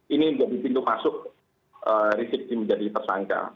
ini menjadi pintu masuk rizik menjadi tersangka